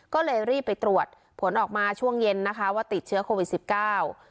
ก็เลยรีบไปตรวจผลออกมาช่วงเย็นนะคะว่าติดเชื้อโควิดสิบเก้า